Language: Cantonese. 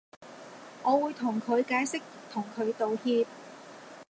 我會同佢解釋同佢道歉